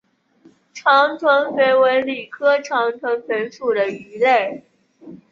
长臀鲃为鲤科长臀鲃属的鱼类。